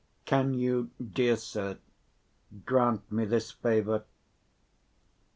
Can you, dear sir, grant me this favor?"